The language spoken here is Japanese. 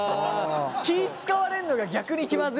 気ぃ遣われるのが逆に気まずい感じね。